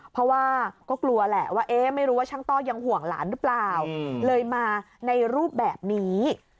เพราะว่าก็กลัวแหละว่าไม่รู้ว่าช่างต้อยังห่วงหลานหรือเปล่าเลยมาในรูปแบบนี้